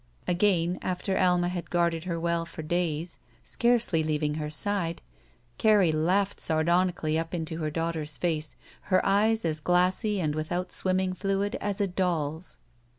Again, after Alma had guided her well for days, scarcely leaving her side, Carrie laughed sardonically up into her daughter's face, her eyes as glassy and without swimming fluid as a doll's.